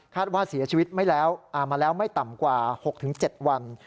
ว่าเสียชีวิตมาแล้วไม่ต่ำกว่า๖๗วัน